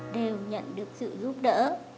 đều nhận được sự giúp đỡ